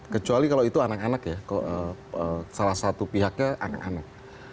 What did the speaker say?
kecuali kalau itu anak anak ya salah satu pihaknya anak anak